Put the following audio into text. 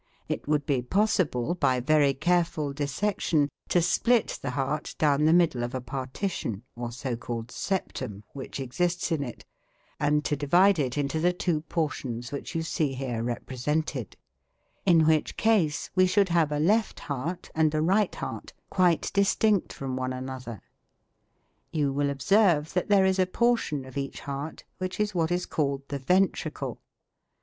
It would be possible, by very careful dissection, to split the heart down the middle of a partition, or so called 'septum', which exists in it, and to divide it into the two portions which you see here represented; in which case we should have a left heart and a right heart, quite distinct from one another. You will observe that there is a portion of each heart which is what is called the ventricle.